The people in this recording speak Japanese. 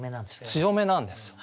強めなんですよ。